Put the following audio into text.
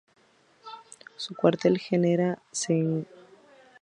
Su cuartel general se encuentra situado en el Phoenix Park de Dublín.